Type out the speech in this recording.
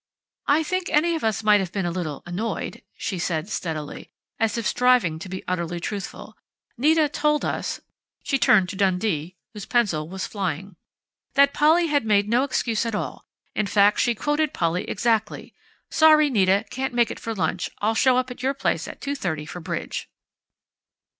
"I think any of us might have been a little annoyed," she said steadily, as if striving to be utterly truthful. "Nita told us " she turned to Dundee, whose pencil was flying, "that Polly had made no excuse at all; in fact, she quoted Polly exactly: 'Sorry, Nita. Can't make it for lunch. I'll show up at your place at 2:30 for bridge.'"